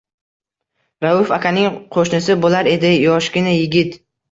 Rauf akaning qo’shnisi bo’lar edi, yoshgina yigit.